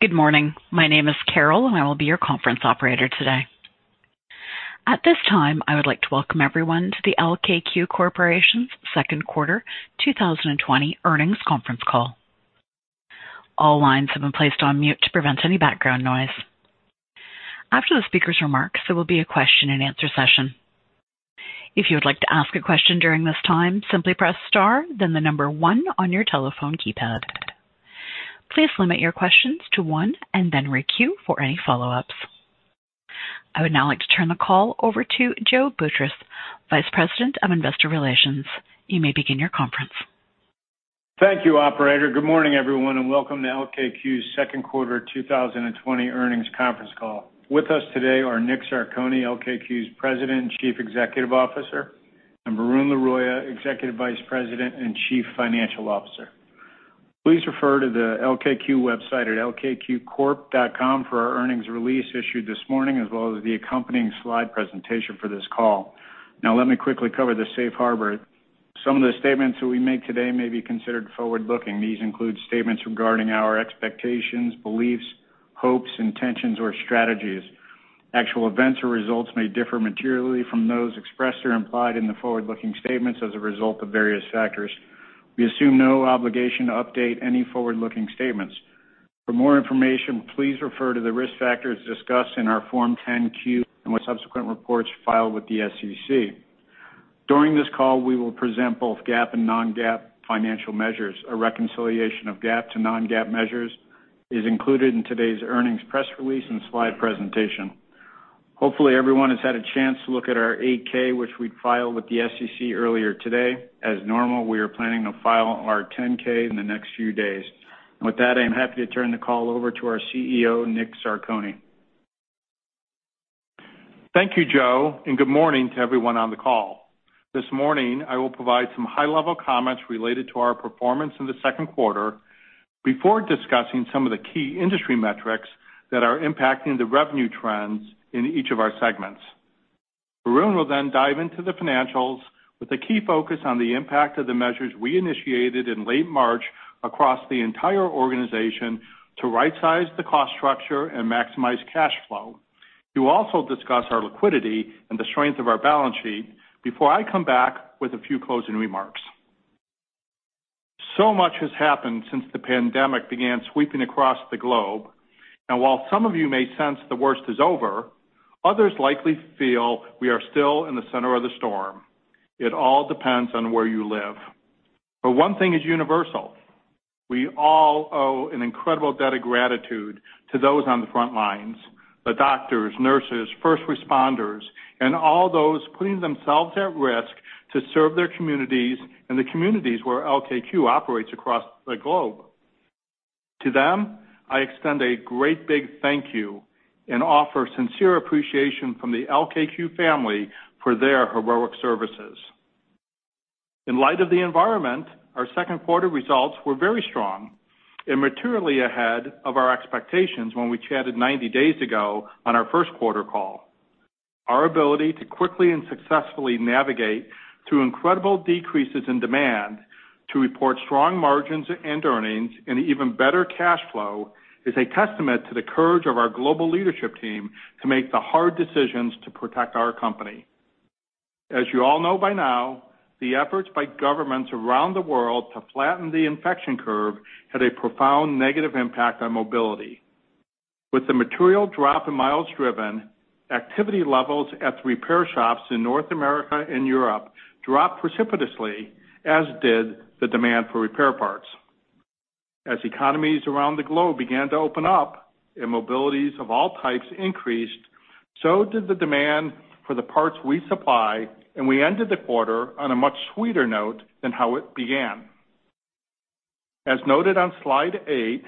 Good morning. My name is Carol, and I will be your conference operator today. At this time, I would like to welcome everyone to the LKQ Corporation's second quarter 2020 earnings conference call. All lines have been placed on mute to prevent any background noise. After the speaker's remarks, there will be a question and answer session. If you would like to ask a question during this time, simply press star, then the number one on your telephone keypad. Please limit your questions to one, and then re-queue for any follow-ups. I would now like to turn the call over to Joe Boutross, Vice President of Investor Relations. You may begin your conference. Thank you, operator. Good morning, everyone, and welcome to LKQ's second quarter 2020 earnings conference call. With us today are Nick Zarcone, LKQ's President and Chief Executive Officer, and Varun Laroyia, Executive Vice President and Chief Financial Officer. Please refer to the LKQ website at lkqcorp.com for our earnings release issued this morning, as well as the accompanying slide presentation for this call. Let me quickly cover the safe harbor. Some of the statements that we make today may be considered forward-looking. These include statements regarding our expectations, beliefs, hopes, intentions, or strategies. Actual events or results may differ materially from those expressed or implied in the forward-looking statements as a result of various factors. We assume no obligation to update any forward-looking statements. For more information, please refer to the risk factors discussed in our Form 10-Q and subsequent reports filed with the SEC. During this call, we will present both GAAP and non-GAAP financial measures. A reconciliation of GAAP to non-GAAP measures is included in today's earnings press release and slide presentation. Hopefully, everyone has had a chance to look at our 8-K, which we filed with the SEC earlier today. As normal, we are planning to file our 10-K in the next few days. With that, I am happy to turn the call over to our CEO, Nick Zarcone. Thank you, Joe, and good morning to everyone on the call. This morning, I will provide some high-level comments related to our performance in the second quarter before discussing some of the key industry metrics that are impacting the revenue trends in each of our segments. Varun will dive into the financials with a key focus on the impact of the measures we initiated in late March across the entire organization to rightsize the cost structure and maximize cash flow. He will also discuss our liquidity and the strength of our balance sheet before I come back with a few closing remarks. So much has happened since the pandemic began sweeping across the globe, and while some of you may sense the worst is over, others likely feel we are still in the center of the storm. It all depends on where you live. One thing is universal, we all owe an incredible debt of gratitude to those on the front lines, the doctors, nurses, first responders, and all those putting themselves at risk to serve their communities and the communities where LKQ operates across the globe. To them, I extend a great big thank you and offer sincere appreciation from the LKQ family for their heroic services. In light of the environment, our second quarter results were very strong and materially ahead of our expectations when we chatted 90 days ago on our first quarter call. Our ability to quickly and successfully navigate through incredible decreases in demand to report strong margins and earnings and even better cash flow is a testament to the courage of our global leadership team to make the hard decisions to protect our company. As you all know by now, the efforts by governments around the world to flatten the infection curve had a profound negative impact on mobility. With the material drop in miles driven, activity levels at the repair shops in North America and Europe dropped precipitously, as did the demand for repair parts. As economies around the globe began to open up and mobilities of all types increased, so did the demand for the parts we supply, and we ended the quarter on a much sweeter note than how it began. As noted on slide eight,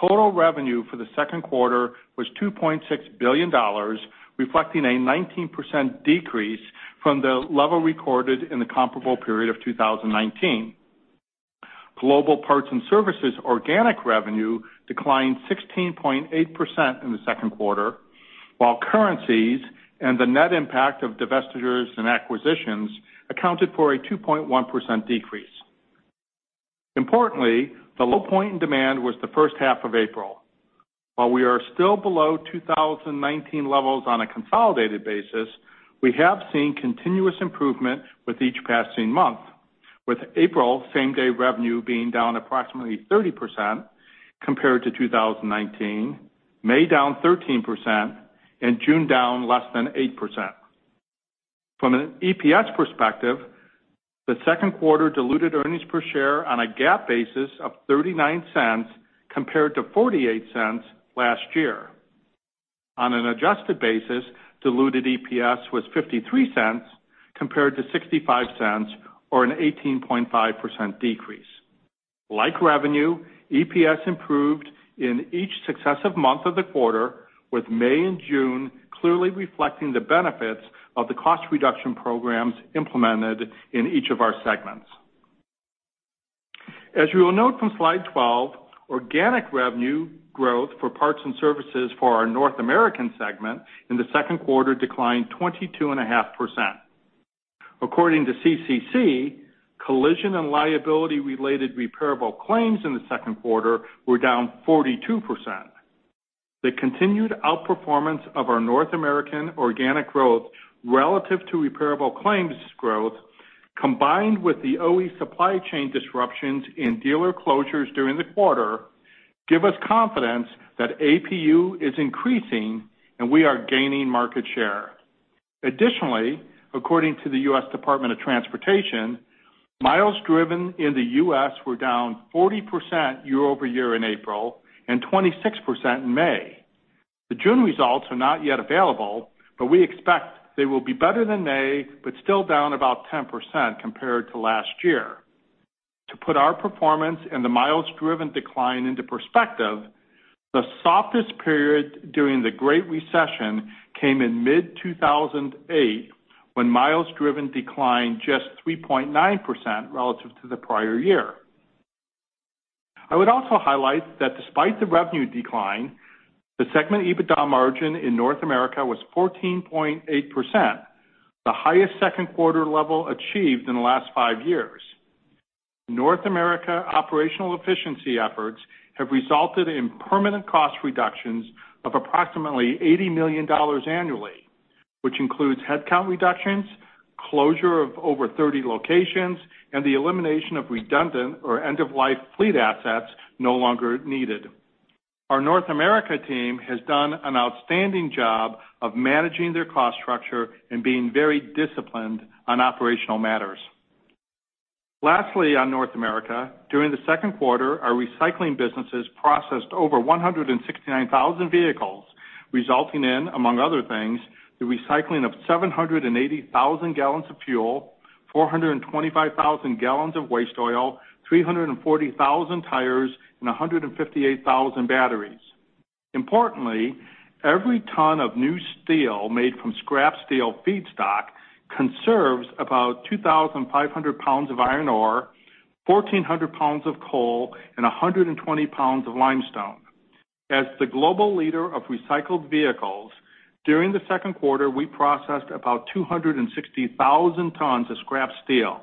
total revenue for the second quarter was $2.6 billion, reflecting a 19% decrease from the level recorded in the comparable period of 2019. Global Parts and Services organic revenue declined 16.8% in the second quarter, while currencies and the net impact of divestitures and acquisitions accounted for a 2.1% decrease. Importantly, the low point in demand was the first half of April. While we are still below 2019 levels on a consolidated basis, we have seen continuous improvement with each passing month, with April same-day revenue being down approximately 30% compared to 2019, May down 13%, and June down less than 8%. From an EPS perspective, the second quarter diluted earnings per share on a GAAP basis of $0.39 compared to $0.48 last year. On an adjusted basis, diluted EPS was $0.53 compared to $0.65 or an 18.5% decrease. Like revenue, EPS improved in each successive month of the quarter, with May and June clearly reflecting the benefits of the cost reduction programs implemented in each of our segments. As you will note from slide 12, organic revenue growth for parts and services for our North American segment in the second quarter declined 22.5%. According to CCC, collision and liability-related repairable claims in the second quarter were down 42%. The continued outperformance of our North American organic growth relative to repairable claims growth, combined with the OE supply chain disruptions and dealer closures during the quarter, give us confidence that APU is increasing and we are gaining market share. Additionally, according to the U.S. Department of Transportation, miles driven in the U.S. were down 40% year-over-year in April and 26% in May. The June results are not yet available, but we expect they will be better than May, but still down about 10% compared to last year. To put our performance and the miles driven decline into perspective, the softest period during the Great Recession came in mid-2008, when miles driven declined just 3.9% relative to the prior year. I would also highlight that despite the revenue decline, the segment EBITDA margin in North America was 14.8%, the highest second quarter level achieved in the last five years. North America operational efficiency efforts have resulted in permanent cost reductions of approximately $80 million annually, which includes headcount reductions, closure of over 30 locations, and the elimination of redundant or end-of-life fleet assets no longer needed. Our North America team has done an outstanding job of managing their cost structure and being very disciplined on operational matters. Lastly, on North America, during the second quarter, our recycling businesses processed over 169,000 vehicles, resulting in, among other things, the recycling of 780,000 gallons of fuel, 425,000 gallons of waste oil, 340,000 tires, and 158,000 batteries. Importantly, every ton of new steel made from scrap steel feedstock conserves about 2,500 lb of iron ore, 1,400 lb of coal, and 120 lb of limestone. As the global leader of recycled vehicles, during the second quarter, we processed about 260,000 tons of scrap steel,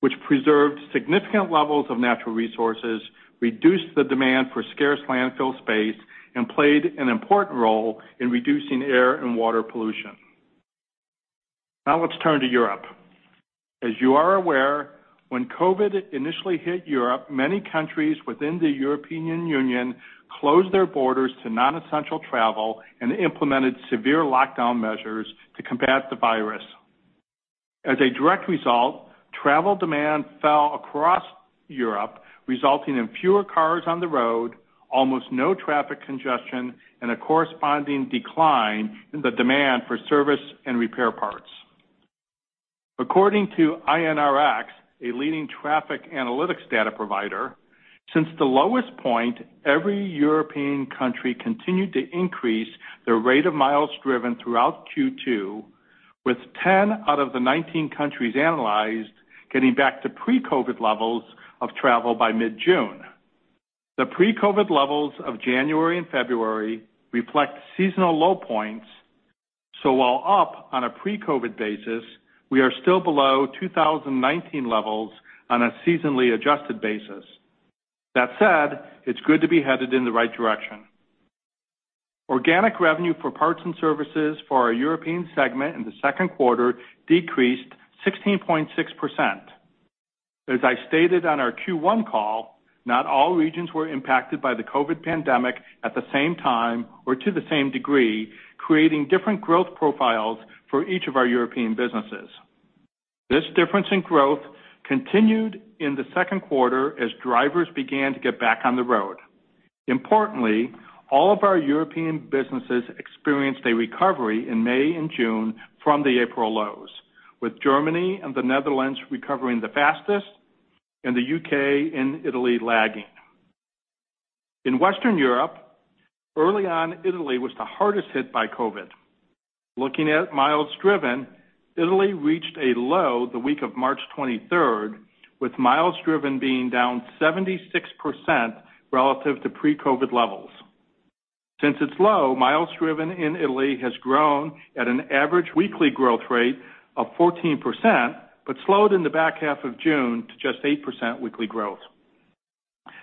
which preserved significant levels of natural resources, reduced the demand for scarce landfill space, and played an important role in reducing air and water pollution. Now let's turn to Europe. As you are aware, when COVID initially hit Europe, many countries within the European Union closed their borders to non-essential travel and implemented severe lockdown measures to combat the virus. As a direct result, travel demand fell across Europe, resulting in fewer cars on the road, almost no traffic congestion, and a corresponding decline in the demand for service and repair parts. According to INRIX, a leading traffic analytics data provider, since the lowest point, every European country continued to increase their rate of miles driven throughout Q2, with 10 out of the 19 countries analyzed getting back to pre-COVID levels of travel by mid-June. The pre-COVID levels of January and February reflect seasonal low points, so while up on a pre-COVID basis, we are still below 2019 levels on a seasonally adjusted basis. That said, it's good to be headed in the right direction. Organic revenue for parts and services for our European segment in the second quarter decreased 16.6%. As I stated on our Q1 call, not all regions were impacted by the COVID pandemic at the same time or to the same degree, creating different growth profiles for each of our European businesses. This difference in growth continued in the second quarter as drivers began to get back on the road. Importantly, all of our European businesses experienced a recovery in May and June from the April lows, with Germany and the Netherlands recovering the fastest and the U.K. and Italy lagging. In Western Europe, early on, Italy was the hardest hit by COVID. Looking at miles driven, Italy reached a low the week of March 23rd, with miles driven being down 76% relative to pre-COVID levels. Since its low, miles driven in Italy has grown at an average weekly growth rate of 14%, but slowed in the back half of June to just 8% weekly growth.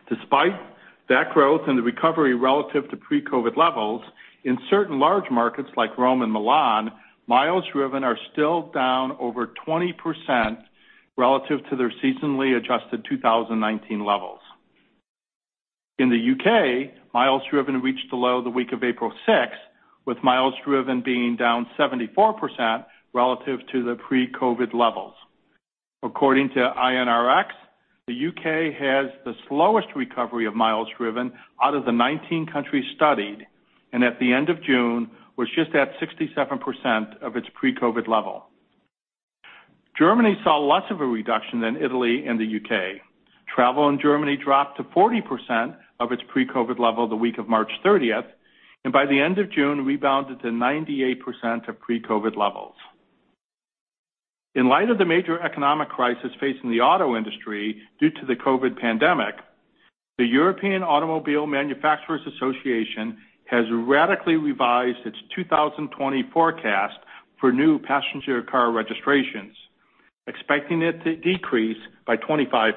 Despite that growth and the recovery relative to pre-COVID levels, in certain large markets like Rome and Milan, miles driven are still down over 20% relative to their seasonally adjusted 2019 levels. In the U.K., miles driven reached a low the week of April 6, with miles driven being down 74% relative to the pre-COVID levels. According to INRIX, the U.K. has the slowest recovery of miles driven out of the 19 countries studied, and at the end of June, was just at 67% of its pre-COVID level. Germany saw less of a reduction than Italy and the U.K. Travel in Germany dropped to 40% of its pre-COVID level the week of March 30th, and by the end of June, rebounded to 98% of pre-COVID levels. In light of the major economic crisis facing the auto industry due to the COVID pandemic. The European Automobile Manufacturers' Association has radically revised its 2020 forecast for new passenger car registrations, expecting it to decrease by 25%.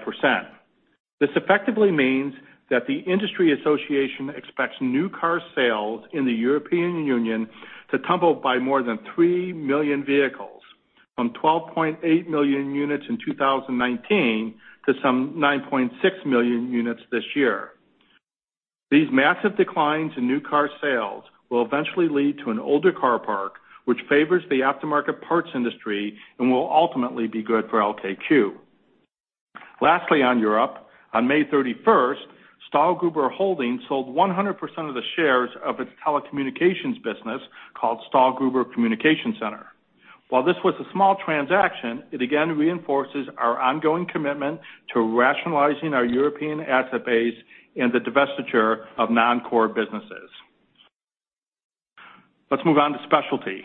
This effectively means that the industry association expects new car sales in the European Union to tumble by more than 3 million vehicles from 12.8 million units in 2019 to some 9.6 million units this year. These massive declines in new car sales will eventually lead to an older car park, which favors the aftermarket parts industry and will ultimately be good for LKQ. Lastly, on Europe, on May 31st, Stahlgruber Holding sold 100% of the shares of its telecommunications business called Stahlgruber Communication Center. While this was a small transaction, it again reinforces our ongoing commitment to rationalizing our European asset base and the divestiture of non-core businesses. Let's move on to Specialty.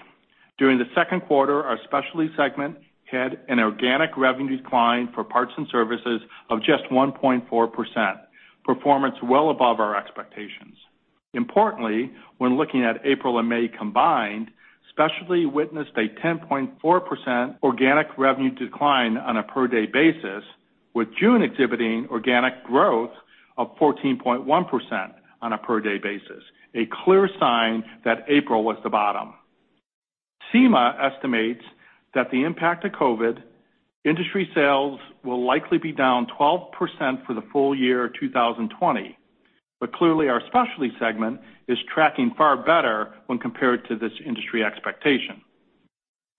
During the second quarter, our Specialty segment had an organic revenue decline for parts and services of just 1.4%, performance well above our expectations. Importantly, when looking at April and May combined, Specialty witnessed a 10.4% organic revenue decline on a per-day basis, with June exhibiting organic growth of 14.1% on a per-day basis, a clear sign that April was the bottom. SEMA estimates that the impact of COVID, industry sales will likely be down 12% for the full year 2020. Clearly, our Specialty segment is tracking far better when compared to this industry expectation.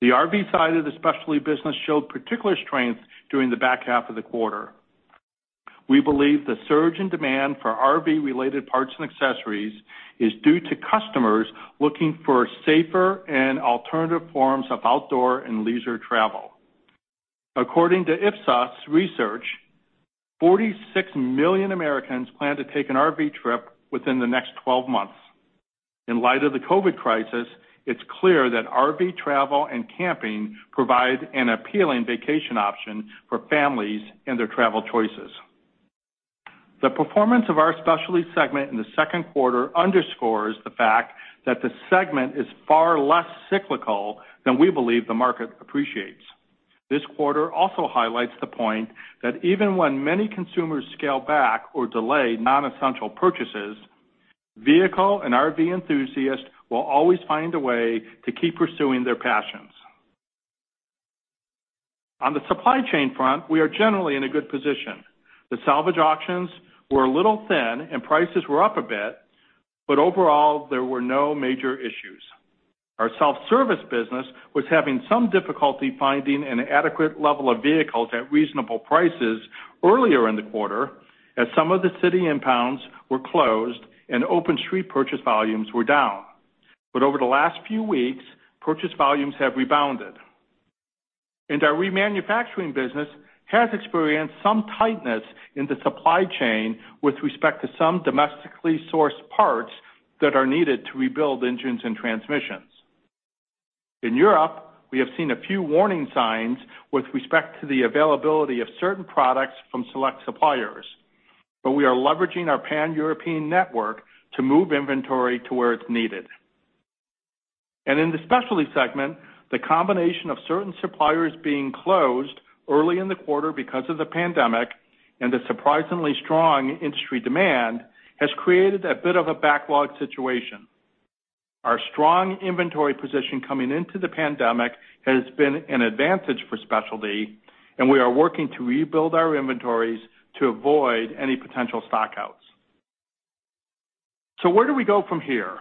The RV side of the Specialty business showed particular strength during the back half of the quarter. We believe the surge in demand for RV-related parts and accessories is due to customers looking for safer and alternative forms of outdoor and leisure travel. According to Ipsos research, 46 million Americans plan to take an RV trip within the next 12 months. In light of the COVID crisis, it's clear that RV travel and camping provide an appealing vacation option for families and their travel choices. The performance of our Specialty segment in the second quarter underscores the fact that the segment is far less cyclical than we believe the market appreciates. This quarter also highlights the point that even when many consumers scale back or delay non-essential purchases, vehicle and RV enthusiasts will always find a way to keep pursuing their passions. On the supply chain front, we are generally in a good position. The salvage auctions were a little thin, and prices were up a bit, but overall, there were no major issues. Our self-service business was having some difficulty finding an adequate level of vehicles at reasonable prices earlier in the quarter, as some of the city impounds were closed and open street purchase volumes were down. Over the last few weeks, purchase volumes have rebounded. Our remanufacturing business has experienced some tightness in the supply chain with respect to some domestically sourced parts that are needed to rebuild engines and transmissions. In Europe, we have seen a few warning signs with respect to the availability of certain products from select suppliers, but we are leveraging our pan-European network to move inventory to where it's needed. In the Specialty segment, the combination of certain suppliers being closed early in the quarter because of the pandemic and the surprisingly strong industry demand has created a bit of a backlog situation. Our strong inventory position coming into the pandemic has been an advantage for specialty, and we are working to rebuild our inventories to avoid any potential stock-outs. Where do we go from here?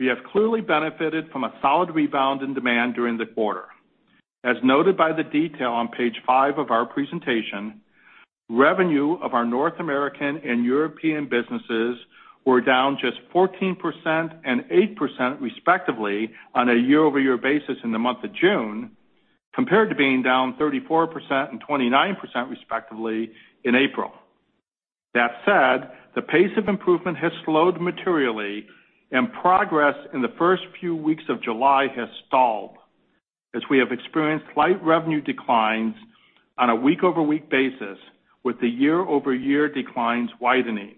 We have clearly benefited from a solid rebound in demand during the quarter. As noted by the detail on page five of our presentation, revenue of our North American and European businesses were down just 14% and 8% respectively on a year-over-year basis in the month of June, compared to being down 34% and 29% respectively in April. That said, the pace of improvement has slowed materially, and progress in the first few weeks of July has stalled as we have experienced slight revenue declines on a week-over-week basis with the year-over-year declines widening.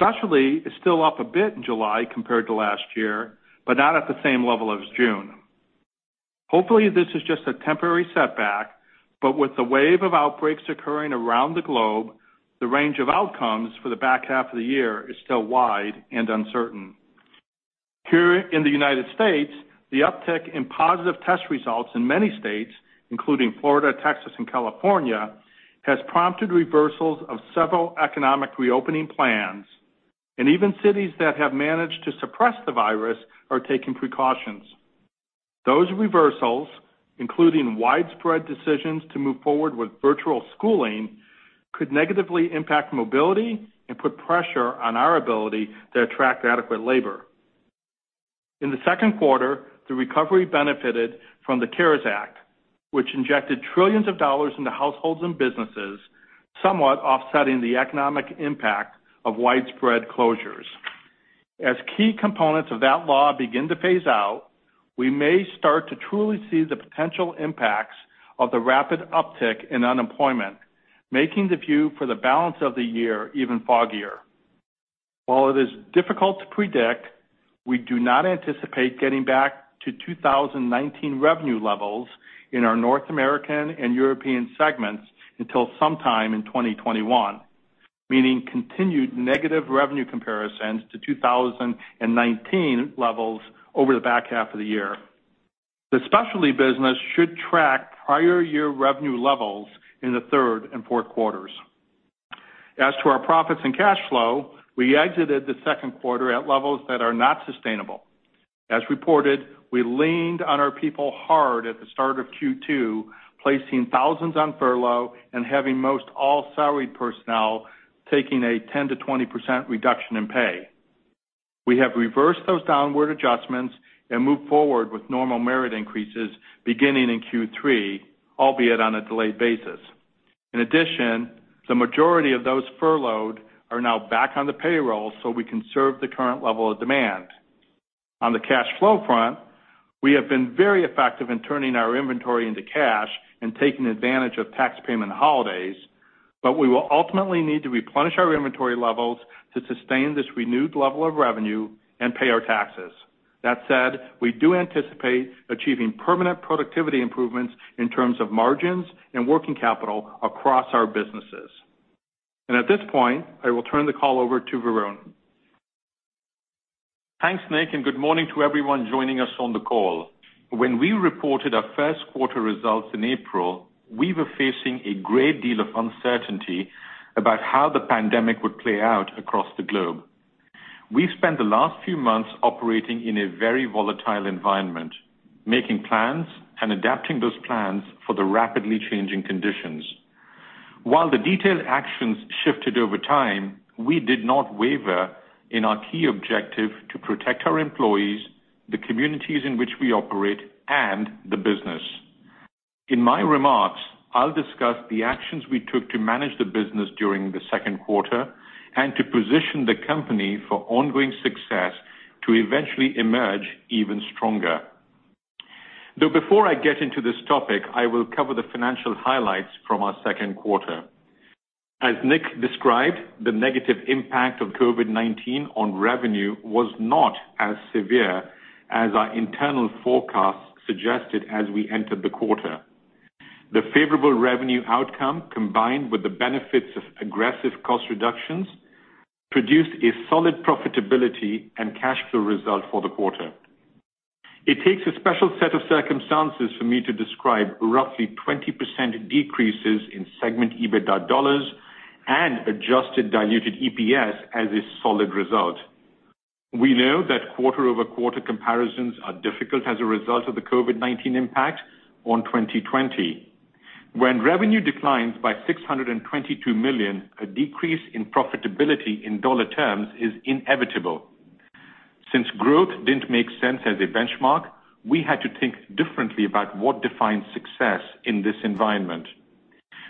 Specialty is still up a bit in July compared to last year, but not at the same level as June. Hopefully, this is just a temporary setback. With the wave of outbreaks occurring around the globe, the range of outcomes for the back half of the year is still wide and uncertain. Here in the United States, the uptick in positive test results in many states, including Florida, Texas, and California, has prompted reversals of several economic reopening plans, and even cities that have managed to suppress the virus are taking precautions. Those reversals, including widespread decisions to move forward with virtual schooling, could negatively impact mobility and put pressure on our ability to attract adequate labor. In the second quarter, the recovery benefited from the CARES Act, which injected trillions of dollars into households and businesses, somewhat offsetting the economic impact of widespread closures. As key components of that law begin to phase out, we may start to truly see the potential impacts of the rapid uptick in unemployment, making the view for the balance of the year even foggier. While it is difficult to predict, we do not anticipate getting back to 2019 revenue levels in our North American and European segments until sometime in 2021, meaning continued negative revenue comparisons to 2019 levels over the back half of the year. The specialty business should track prior year revenue levels in the third and fourth quarters. As to our profits and cash flow, we exited the second quarter at levels that are not sustainable. As reported, we leaned on our people hard at the start of Q2, placing thousands on furlough and having most all salaried personnel taking a 10%-20% reduction in pay. We have reversed those downward adjustments and moved forward with normal merit increases beginning in Q3, albeit on a delayed basis. In addition, the majority of those furloughed are now back on the payroll so we can serve the current level of demand. On the cash flow front, we have been very effective in turning our inventory into cash and taking advantage of tax payment holidays, but we will ultimately need to replenish our inventory levels to sustain this renewed level of revenue and pay our taxes. That said, we do anticipate achieving permanent productivity improvements in terms of margins and working capital across our businesses. At this point, I will turn the call over to Varun. Thanks, Nick. Good morning to everyone joining us on the call. When we reported our first quarter results in April, we were facing a great deal of uncertainty about how the pandemic would play out across the globe. We spent the last few months operating in a very volatile environment, making plans and adapting those plans for the rapidly changing conditions. While the detailed actions shifted over time, we did not waver in our key objective to protect our employees, the communities in which we operate, and the business. In my remarks, I'll discuss the actions we took to manage the business during the second quarter and to position the company for ongoing success to eventually emerge even stronger. Before I get into this topic, I will cover the financial highlights from our second quarter. As Nick described, the negative impact of COVID-19 on revenue was not as severe as our internal forecasts suggested as we entered the quarter. The favorable revenue outcome, combined with the benefits of aggressive cost reductions, produced a solid profitability and cash flow result for the quarter. It takes a special set of circumstances for me to describe roughly 20% decreases in segment EBITDA dollars and adjusted diluted EPS as a solid result. We know that quarter-over-quarter comparisons are difficult as a result of the COVID-19 impact on 2020. When revenue declines by $622 million, a decrease in profitability in dollar terms is inevitable. Since growth didn't make sense as a benchmark, we had to think differently about what defines success in this environment.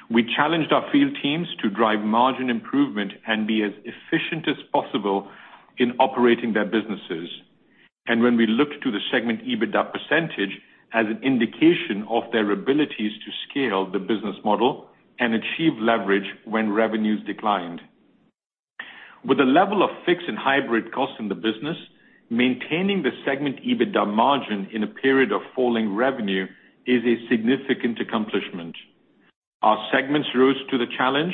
We challenged our field teams to drive margin improvement and be as efficient as possible in operating their businesses. When we looked to the segment EBITDA percentage as an indication of their abilities to scale the business model and achieve leverage when revenues declined. With the level of fixed and hybrid costs in the business, maintaining the segment EBITDA margin in a period of falling revenue is a significant accomplishment. Our segments rose to the challenge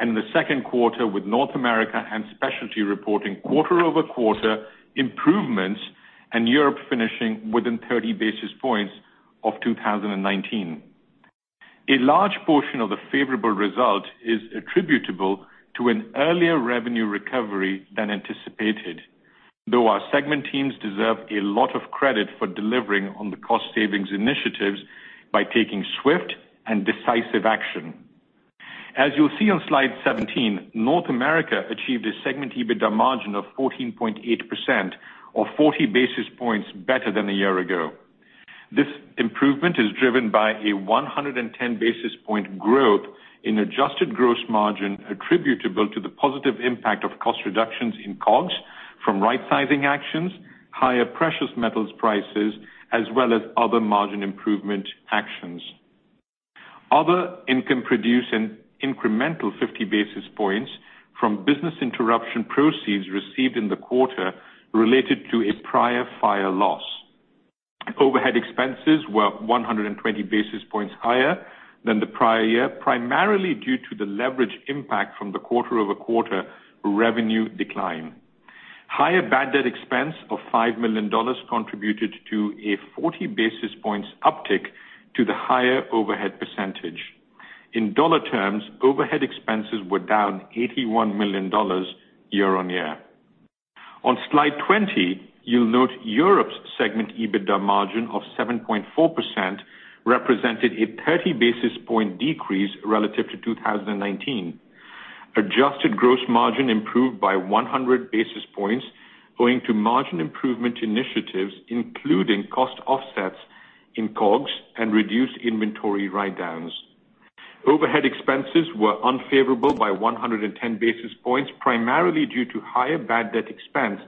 in the second quarter with North America and Specialty reporting quarter-over-quarter improvements and Europe finishing within 30 basis points of 2019. A large portion of the favorable result is attributable to an earlier revenue recovery than anticipated, though our segment teams deserve a lot of credit for delivering on the cost savings initiatives by taking swift and decisive action. As you'll see on slide 17, North America achieved a segment EBITDA margin of 14.8% or 40 basis points better than a year ago. This improvement is driven by a 110 basis point growth in adjusted gross margin attributable to the positive impact of cost reductions in COGS from rightsizing actions, higher precious metals prices as well as other margin improvement actions. Other income produced an incremental 50 basis points from business interruption proceeds received in the quarter related to a prior fire loss. Overhead expenses were 120 basis points higher than the prior year, primarily due to the leverage impact from the quarter-over-quarter revenue decline. Higher bad debt expense of $5 million contributed to a 40 basis points uptick to the higher overhead percentage. In dollar terms, overhead expenses were down $81 million year-on-year. On slide 20, you'll note Europe's segment EBITDA margin of 7.4% represented a 30 basis point decrease relative to 2019. Adjusted gross margin improved by 100 basis points owing to margin improvement initiatives, including cost offsets in COGS and reduced inventory write-downs. Overhead expenses were unfavorable by 110 basis points, primarily due to higher bad debt expense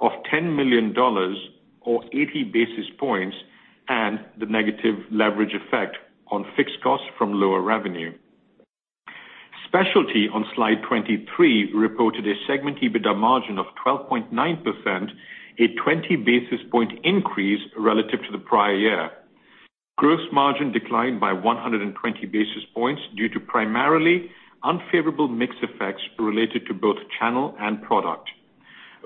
of $10 million, or 80 basis points, and the negative leverage effect on fixed costs from lower revenue. Specialty, on slide 23, reported a segment EBITDA margin of 12.9%, a 20 basis point increase relative to the prior year. Gross margin declined by 120 basis points due to primarily unfavorable mix effects related to both channel and product.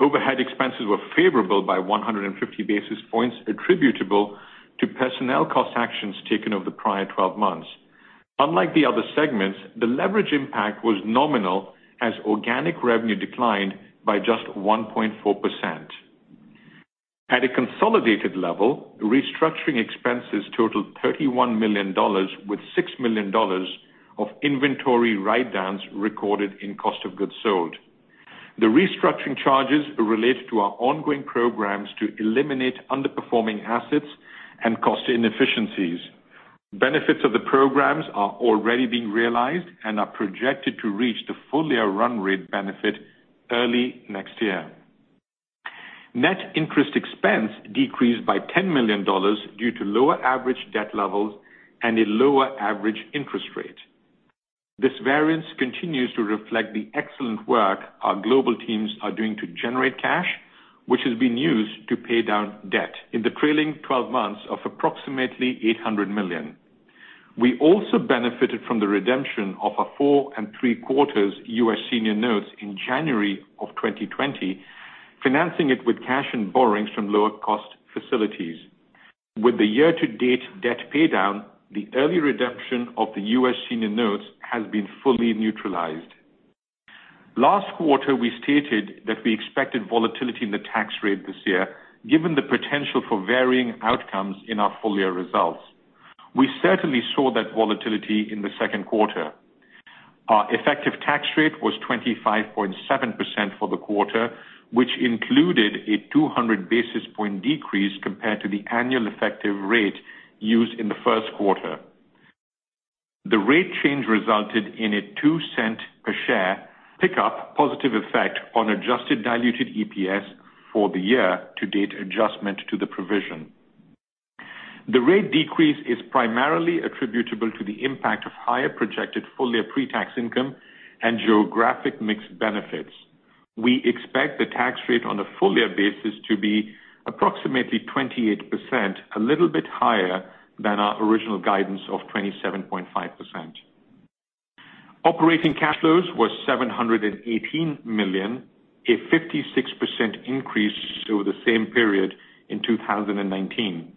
Overhead expenses were favorable by 150 basis points attributable to personnel cost actions taken over the prior 12 months. Unlike the other segments, the leverage impact was nominal as organic revenue declined by just 1.4%. At a consolidated level, restructuring expenses totaled $31 million with $6 million of inventory write-downs recorded in cost of goods sold. The restructuring charges related to our ongoing programs to eliminate underperforming assets and cost inefficiencies. Benefits of the programs are already being realized and are projected to reach the full-year run-rate benefit early next year. Net interest expense decreased by $10 million due to lower average debt levels and a lower average interest rate. This variance continues to reflect the excellent work our global teams are doing to generate cash, which has been used to pay down debt in the trailing 12 months of approximately $800 million. We also benefited from the redemption of our 4.75% U.S. Senior Notes in January of 2020, financing it with cash and borrowings from lower-cost facilities. With the year-to-date debt paydown, the early redemption of the U.S. Senior Notes has been fully neutralized. Last quarter, we stated that we expected volatility in the tax rate this year, given the potential for varying outcomes in our full-year results. We certainly saw that volatility in the second quarter. Our effective tax rate was 25.7% for the quarter, which included a 200 basis point decrease compared to the annual effective rate used in the first quarter. The rate change resulted in a $0.02 per share pickup positive effect on adjusted diluted EPS for the year-to-date adjustment to the provision. The rate decrease is primarily attributable to the impact of higher projected full-year pre-tax income and geographic mix benefits. We expect the tax rate on a full-year basis to be approximately 28%, a little bit higher than our original guidance of 27.5%. Operating cash flows were $718 million, a 56% increase over the same period in 2019.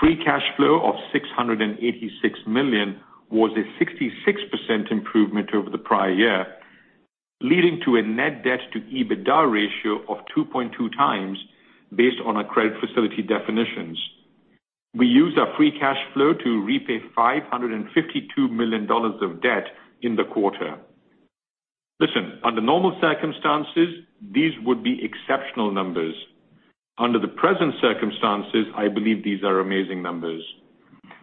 Free cash flow of $686 million was a 66% improvement over the prior year, leading to a net debt to EBITDA ratio of 2.2x based on our credit facility definitions. We used our free cash flow to repay $552 million of debt in the quarter. Listen, under normal circumstances, these would be exceptional numbers. Under the present circumstances, I believe these are amazing numbers.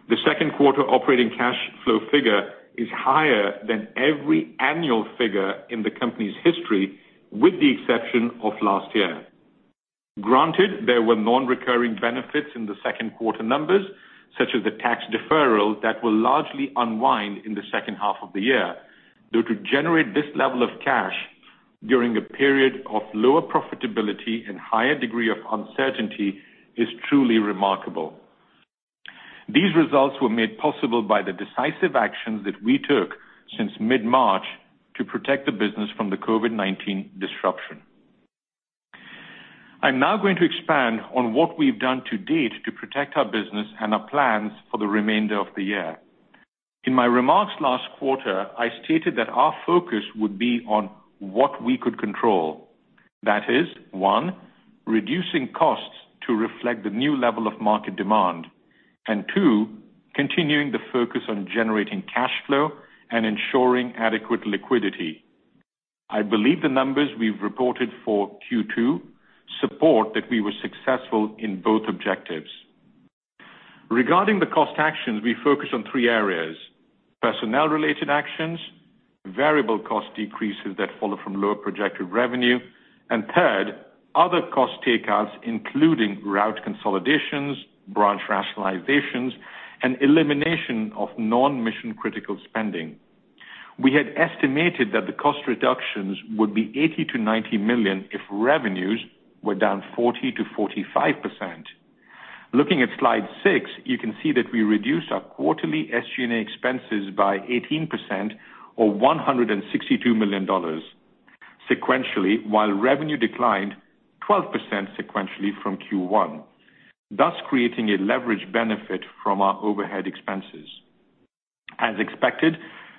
The second quarter operating cash flow figure is higher than every annual figure in the company's history, with the exception of last year. Granted, there were non-recurring benefits in the second quarter numbers, such as the tax deferral that will largely unwind in the second half of the year. Though to generate this level of cash during a period of lower profitability and higher degree of uncertainty is truly remarkable. These results were made possible by the decisive actions that we took since mid-March to protect the business from the COVID-19 disruption. I'm now going to expand on what we've done to date to protect our business and our plans for the remainder of the year. In my remarks last quarter, I stated that our focus would be on what we could control. That is, one, reducing costs to reflect the new level of market demand, and two, continuing the focus on generating cash flow and ensuring adequate liquidity. I believe the numbers we've reported for Q2 support that we were successful in both objectives. Regarding the cost actions, we focus on three areas, personnel-related actions, variable cost decreases that follow from lower projected revenue, and third, other cost takeouts, including route consolidations, branch rationalizations, and elimination of non-mission critical spending. We had estimated that the cost reductions would be $80 million-$90 million if revenues were down 40%-45%. Looking at slide six, you can see that we reduced our quarterly SG&A expenses by 18%, or $162 million sequentially, while revenue declined 12% sequentially from Q1, thus creating a leverage benefit from our overhead expenses. As expected,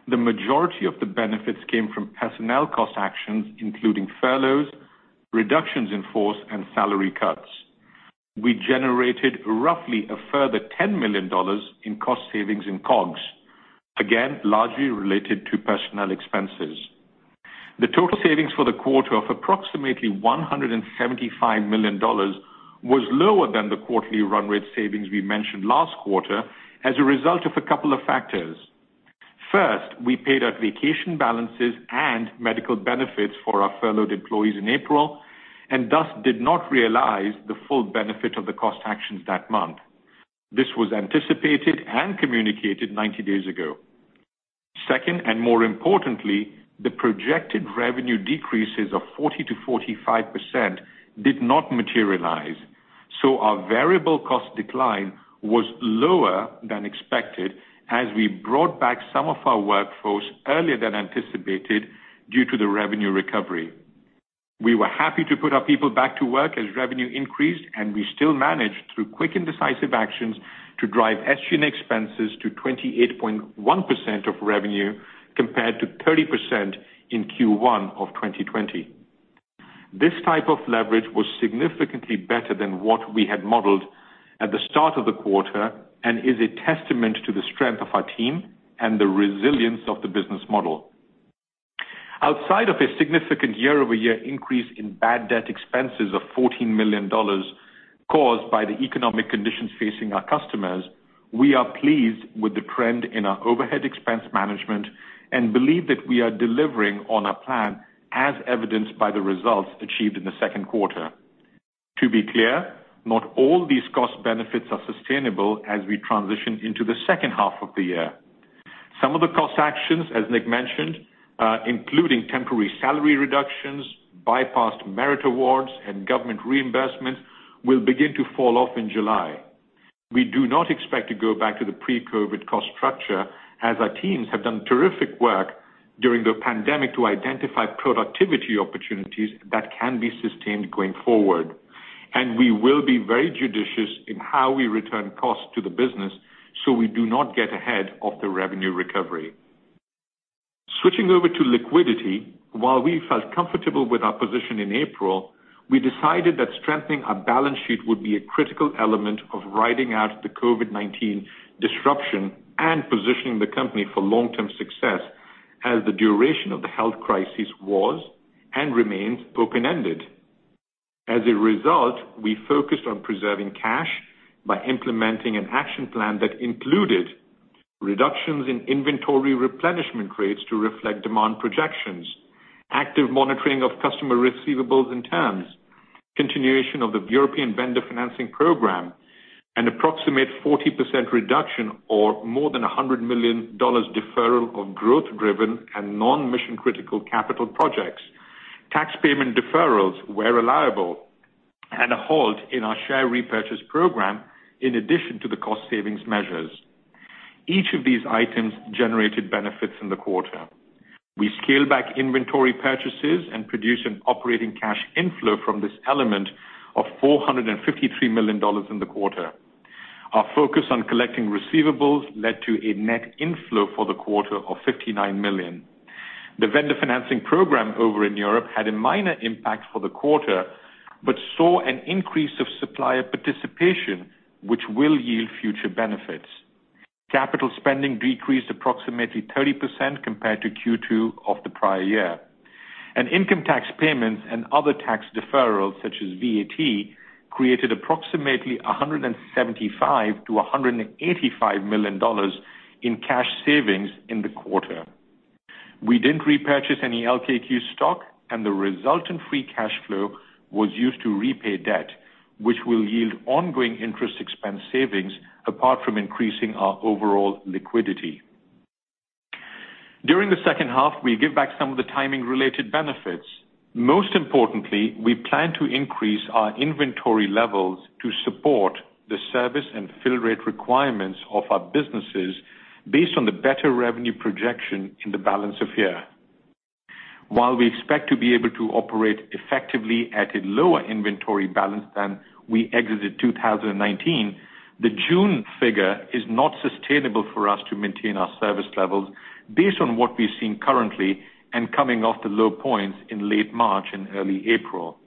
the majority of the benefits came from personnel cost actions, including furloughs, reductions in force, and salary cuts. We generated roughly a further $10 million in cost savings in COGS, again, largely related to personnel expenses. The total savings for the quarter of approximately $175 million was lower than the quarterly run-rate savings we mentioned last quarter as a result of a couple of factors. First, we paid out vacation balances and medical benefits for our furloughed employees in April, and thus did not realize the full benefit of the cost actions that month. This was anticipated and communicated 90 days ago. Second, and more importantly, the projected revenue decreases of 40%-45% did not materialize, so our variable cost decline was lower than expected as we brought back some of our workforce earlier than anticipated due to the revenue recovery. We were happy to put our people back to work as revenue increased, and we still managed, through quick and decisive actions, to drive SG&A expenses to 28.1% of revenue compared to 30% in Q1 of 2020. This type of leverage was significantly better than what we had modeled at the start of the quarter and is a testament to the strength of our team and the resilience of the business model. Outside of a significant year-over-year increase in bad debt expenses of $14 million caused by the economic conditions facing our customers, we are pleased with the trend in our overhead expense management and believe that we are delivering on our plan, as evidenced by the results achieved in the second quarter. To be clear, not all these cost benefits are sustainable as we transition into the second half of the year. Some of the cost actions, as Nick mentioned, including temporary salary reductions, bypassed merit awards, and government reimbursements, will begin to fall off in July. We do not expect to go back to the pre-COVID cost structure as our teams have done terrific work during the pandemic to identify productivity opportunities that can be sustained going forward. We will be very judicious in how we return costs to the business, so we do not get ahead of the revenue recovery. Switching over to liquidity. While we felt comfortable with our position in April, we decided that strengthening our balance sheet would be a critical element of riding out the COVID-19 disruption and positioning the company for long-term success as the duration of the health crisis was and remains open-ended. As a result, we focused on preserving cash by implementing an action plan that included reductions in inventory replenishment rates to reflect demand projections, active monitoring of customer receivables and terms, continuation of the European vendor financing program, an approximate 40% reduction or more than $100 million deferral of growth-driven and non-mission-critical capital projects, tax payment deferrals where reliable, and a halt in our share repurchase program in addition to the cost savings measures. Each of these items generated benefits in the quarter. We scaled back inventory purchases and produced an operating cash inflow from this element of $453 million in the quarter. Our focus on collecting receivables led to a net inflow for the quarter of $59 million. The vendor financing program over in Europe had a minor impact for the quarter but saw an increase of supplier participation, which will yield future benefits. Capital spending decreased approximately 30% compared to Q2 of the prior year. Income tax payments and other tax deferrals such as VAT created approximately $175 million-$185 million in cash savings in the quarter. We didn't repurchase any LKQ stock, and the resultant free cash flow was used to repay debt, which will yield ongoing interest expense savings apart from increasing our overall liquidity. During the second half, we give back some of the timing-related benefits. Most importantly, we plan to increase our inventory levels to support the service and fill rate requirements of our businesses based on the better revenue projection in the balance of year. While we expect to be able to operate effectively at a lower inventory balance than we exited 2019, the June figure is not sustainable for us to maintain our service levels based on what we're seeing currently and coming off the low points in late March and early April.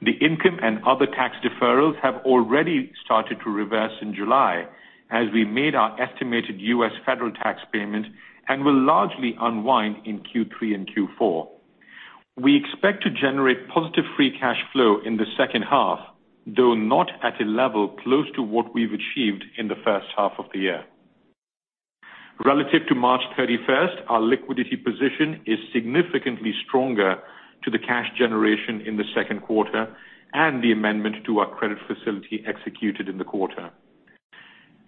The income and other tax deferrals have already started to reverse in July as we made our estimated U.S. federal tax payment and will largely unwind in Q3 and Q4. We expect to generate positive free cash flow in the second half, though not at a level close to what we've achieved in the first half of the year. Relative to March 31st, our liquidity position is significantly stronger to the cash generation in the second quarter and the amendment to our credit facility executed in the quarter.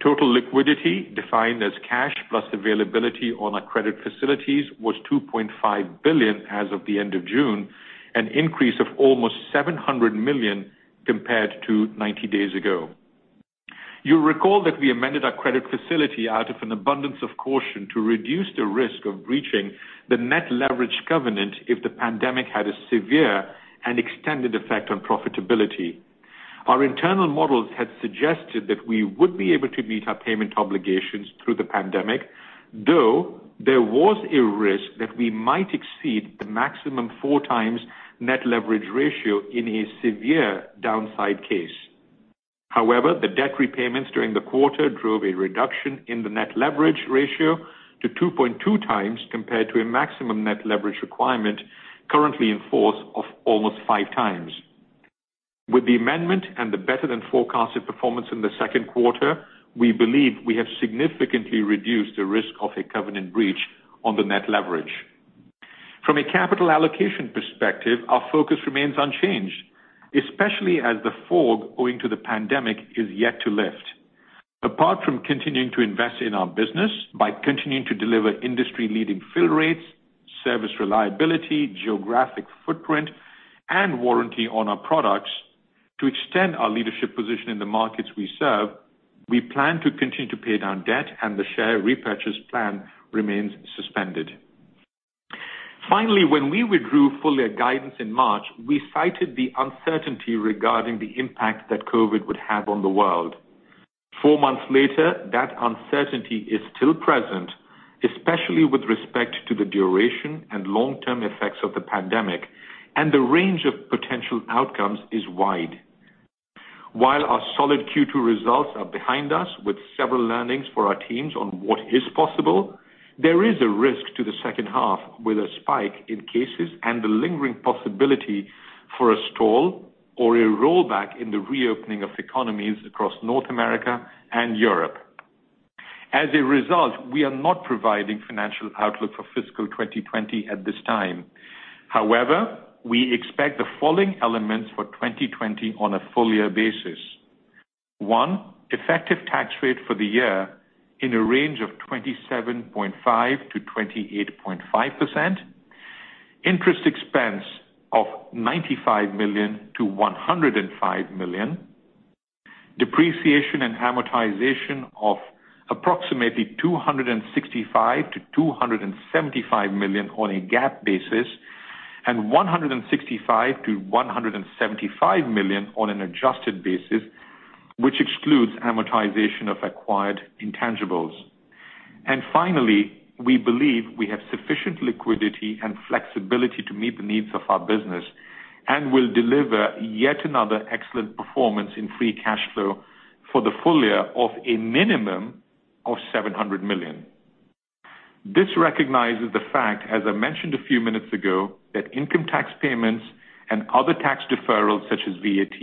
Total liquidity defined as cash plus availability on our credit facilities was $2.5 billion as of the end of June, an increase of almost $700 million compared to 90 days ago. You'll recall that we amended our credit facility out of an abundance of caution to reduce the risk of breaching the net leverage covenant if the pandemic had a severe and extended effect on profitability. Our internal models had suggested that we would be able to meet our payment obligations through the pandemic, though there was a risk that we might exceed the maximum 4x net leverage ratio in a severe downside case. However, the debt repayments during the quarter drove a reduction in the net leverage ratio to 2.2x compared to a maximum net leverage requirement currently in force of almost 5x. With the amendment and the better-than-forecasted performance in the second quarter, we believe we have significantly reduced the risk of a covenant breach on the net leverage. From a capital allocation perspective, our focus remains unchanged, especially as the fog owing to the pandemic is yet to lift. Apart from continuing to invest in our business by continuing to deliver industry-leading fill rates, service reliability, geographic footprint, and warranty on our products to extend our leadership position in the markets we serve, we plan to continue to pay down debt, and the share repurchase plan remains suspended. Finally, when we withdrew full-year guidance in March, we cited the uncertainty regarding the impact that COVID would have on the world. Four months later, that uncertainty is still present, especially with respect to the duration and long-term effects of the pandemic, and the range of potential outcomes is wide. While our solid Q2 results are behind us with several learnings for our teams on what is possible, there is a risk to the second half with a spike in cases and the lingering possibility for a stall or a rollback in the reopening of economies across North America and Europe. As a result, we are not providing financial outlook for fiscal 2020 at this time. However, we expect the following elements for 2020 on a full-year basis. One, effective tax rate for the year in a range of 27.5%-28.5%. Interest expense of $95 million-$105 million. Depreciation and amortization of approximately $265 million-$275 million on a GAAP basis, and $165 million-$175 million on an adjusted basis, which excludes amortization of acquired intangibles. Finally, we believe we have sufficient liquidity and flexibility to meet the needs of our business and will deliver yet another excellent performance in free cash flow for the full year of a minimum of $700 million. This recognizes the fact, as I mentioned a few minutes ago, that income tax payments and other tax deferrals such as VAT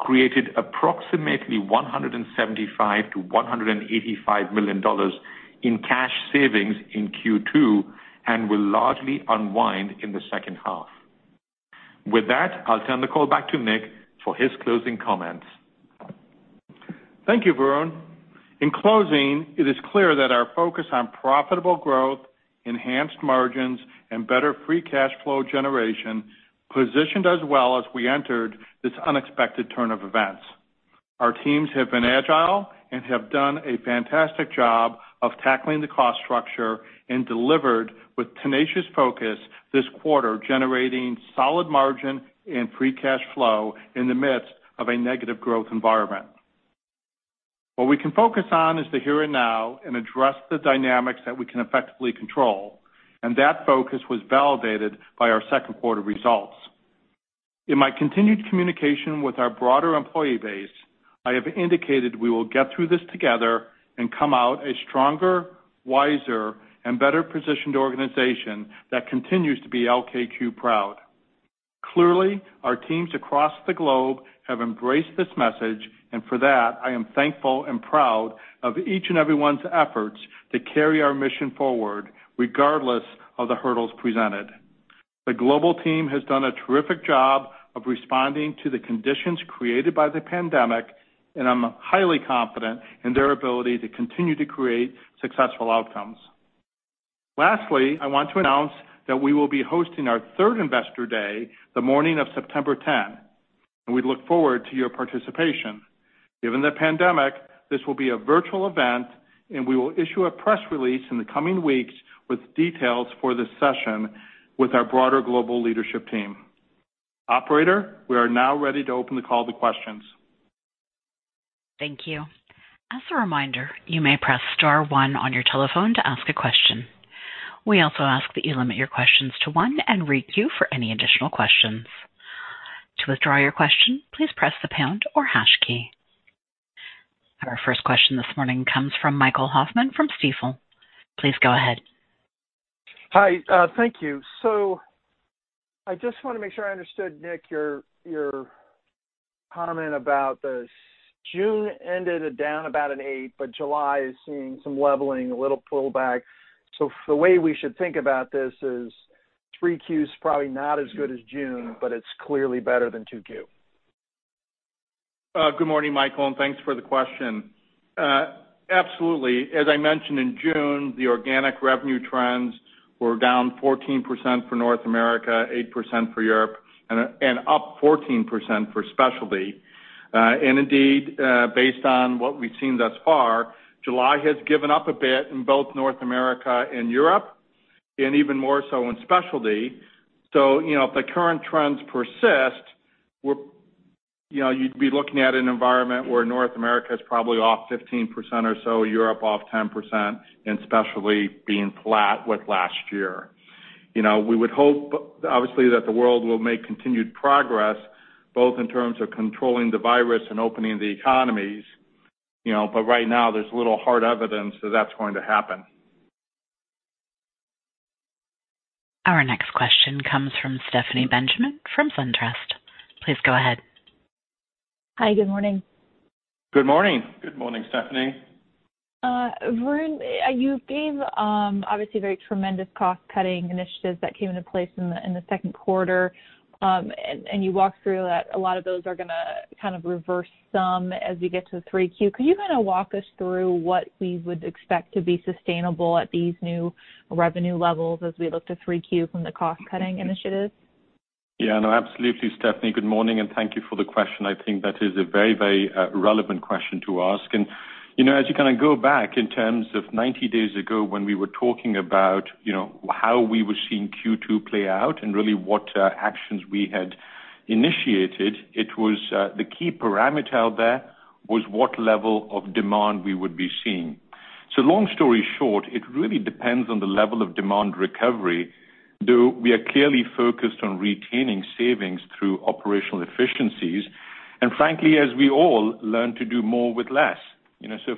created approximately $175 million-$185 million in cash savings in Q2 and will largely unwind in the second half. With that, I'll turn the call back to Nick for his closing comments. Thank you, Varun. In closing, it is clear that our focus on profitable growth, enhanced margins, and better free cash flow generation positioned us well as we entered this unexpected turn of events. Our teams have been agile and have done a fantastic job of tackling the cost structure and delivered with tenacious focus this quarter, generating solid margin and free cash flow in the midst of a negative growth environment. What we can focus on is the here and now and address the dynamics that we can effectively control, and that focus was validated by our second quarter results. In my continued communication with our broader employee base, I have indicated we will get through this together and come out a stronger, wiser, and better-positioned organization that continues to be LKQ proud. Clearly, our teams across the globe have embraced this message, and for that, I am thankful and proud of each and everyone's efforts to carry our mission forward, regardless of the hurdles presented. The global team has done a terrific job of responding to the conditions created by the pandemic, and I'm highly confident in their ability to continue to create successful outcomes. Lastly, I want to announce that we will be hosting our third Investor Day the morning of September 10, and we look forward to your participation. Given the pandemic, this will be a virtual event, and we will issue a press release in the coming weeks with details for this session with our broader global leadership team. Operator, we are now ready to open the call to questions. Thank you. As a reminder, you may press star one on your telephone to ask a question. We also ask that you limit your questions to one and re-queue for any additional questions. To withdraw your question, please press the pound or hash key. Our first question this morning comes from Michael Hoffman from Stifel. Please go ahead. Hi. Thank you. I just want to make sure I understood, Nick, your comment about this June ended down about an 8%, but July is seeing some leveling, a little pullback. The way we should think about this is 3Q is probably not as good as June, but it's clearly better than 2Q? Good morning, Michael, and thanks for the question. Absolutely. As I mentioned in June, the organic revenue trends were down 14% for North America, 8% for Europe, and up 14% for Specialty. Indeed, based on what we've seen thus far, July has given up a bit in both North America and Europe, and even more so in Specialty. If the current trends persist, you'd be looking at an environment where North America is probably off 15% or so, Europe off 10%, and Specialty being flat with last year. We would hope, obviously, that the world will make continued progress, both in terms of controlling the virus and opening the economies, but right now, there's little hard evidence that that's going to happen. Our next question comes from Stephanie Benjamin from SunTrust. Please go ahead. Hi. Good morning. Good morning. Good morning, Stephanie. Varun, you gave, obviously very tremendous cost-cutting initiatives that came into place in the second quarter. You walked through that a lot of those are going to kind of reverse some as we get to the 3Q. Could you kind of walk us through what we would expect to be sustainable at these new revenue levels as we look to 3Q from the cost-cutting initiatives? Yeah, no, absolutely, Stephanie. Good morning, thank you for the question. I think that is a very relevant question to ask. As you kind of go back in terms of 90 days ago when we were talking about how we were seeing Q2 play out and really what actions we had initiated. The key parameter out there was what level of demand we would be seeing. Long story short, it really depends on the level of demand recovery, though we are clearly focused on retaining savings through operational efficiencies, and frankly, as we all learn to do more with less.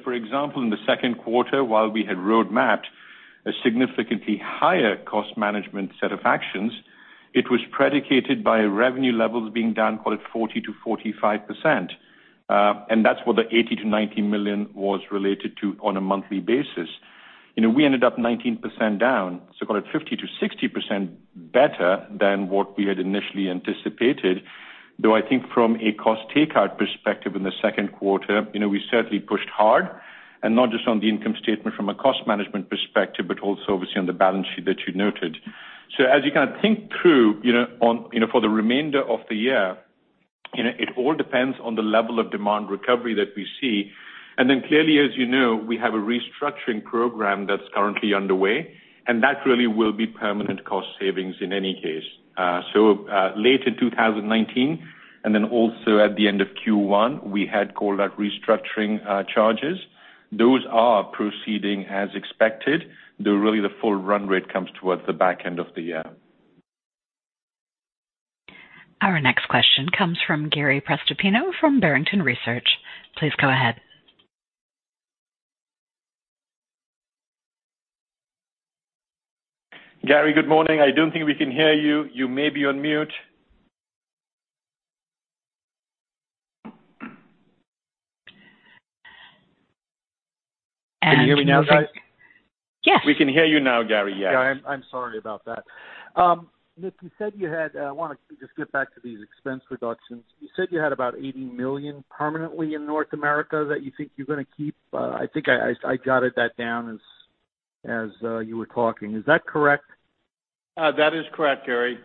For example, in the second quarter, while we had roadmapped a significantly higher cost management set of actions, it was predicated by revenue levels being down call it 40%-45%. That's what the $80 million-$90 million was related to on a monthly basis. We ended up 19% down. Call it 50%-60% better than what we had initially anticipated. Though I think from a cost takeout perspective in the second quarter we certainly pushed hard, and not just on the income statement from a cost management perspective, but also obviously on the balance sheet that you noted. As you kind of think through for the remainder of the year, it all depends on the level of demand recovery that we see. Clearly, as you know, we have a restructuring program that's currently underway, and that really will be permanent cost savings in any case. Late in 2019, and then also at the end of Q1, we had called out restructuring charges. Those are proceeding as expected, though really the full run-rate comes towards the back end of the year. Our next question comes from Gary Prestopino from Barrington Research. Please go ahead. Gary, good morning. I don't think we can hear you. You may be on mute. Can you hear me now, guys? Yes. We can hear you now, Gary. Yes. Yeah, I'm sorry about that. Nick, I want to just get back to these expense reductions. You said you had about $80 million permanently in North America that you think you're going to keep. I think I jotted that down as you were talking. Is that correct? That is correct, Gary.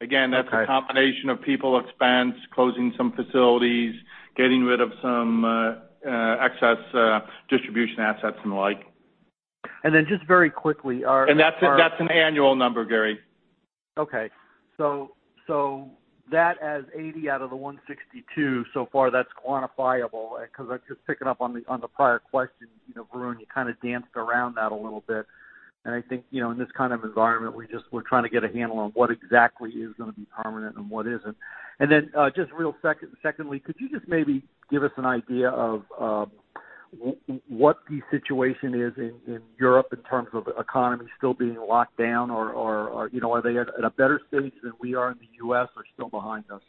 Again, that's a combination of people expense, closing some facilities, getting rid of some excess distribution assets and the like. Just very quickly. That's an annual number, Gary. Okay. That is $80 million out of the $162 million so far, that's quantifiable because I was just picking up on the prior question. Varun, you kind of danced around that a little bit, and I think, in this kind of environment, we're trying to get a handle on what exactly is going to be permanent and what isn't. Just really secondly, could you just maybe give us an idea of what the situation is in Europe in terms of economies still being locked down? Are they at a better stage than we are in the U.S. or still behind us?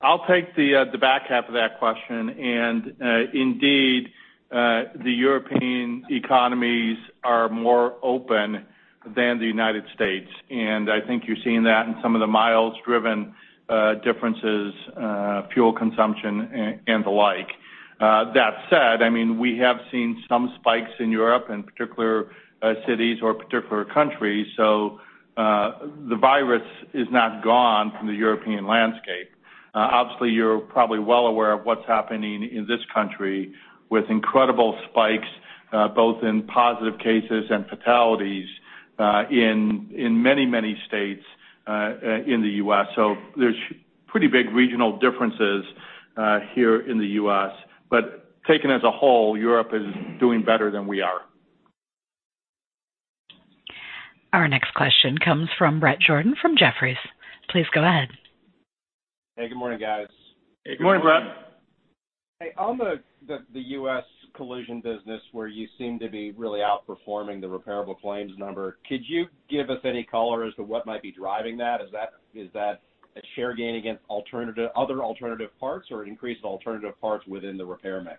I'll take the back half of that question. Indeed, the European economies are more open than the United States. I think you're seeing that in some of the miles-driven differences, fuel consumption, and the like. That said, we have seen some spikes in Europe, in particular cities or particular countries. The virus is not gone from the European landscape. Obviously, you're probably well aware of what's happening in this country with incredible spikes both in positive cases and fatalities in many states in the U.S. There's pretty big regional differences here in the U.S. Taken as a whole, Europe is doing better than we are. Our next question comes from Bret Jordan from Jefferies. Please go ahead. Hey, good morning, guys. Hey, good morning. Good morning, Bret. Hey, on the U.S. collision business where you seem to be really outperforming the repairable claims number, could you give us any color as to what might be driving that? Is that a share gain against other alternative parts or an increase in alternative parts within the repair mix?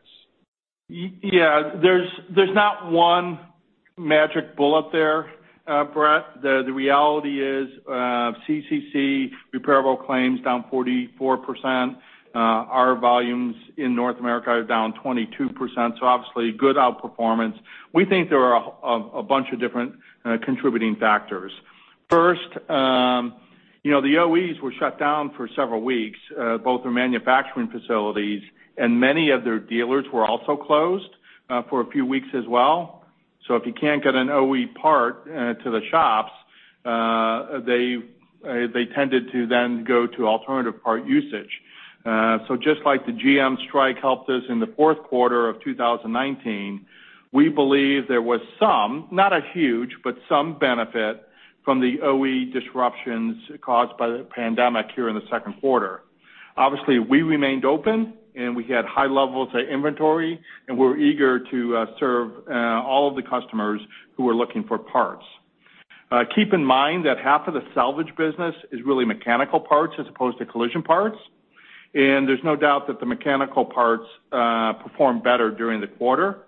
Yeah. There's not one magic bullet there, Bret. The reality is CCC repairable claims down 44%. Our volumes in North America are down 22%, obviously good outperformance. We think there are a bunch of different contributing factors. First, the OEs were shut down for several weeks, both their manufacturing facilities and many of their dealers were also closed for a few weeks as well. If you can't get an OE part to the shops, they tended to then go to alternative part usage. Just like the GM strike helped us in the fourth quarter of 2019, we believe there was some, not a huge, but some benefit from the OE disruptions caused by the pandemic here in the second quarter. Obviously, we remained open, we had high levels of inventory, we were eager to serve all of the customers who were looking for parts. Keep in mind that half of the salvage business is really mechanical parts as opposed to collision parts. There's no doubt that the mechanical parts performed better during the quarter.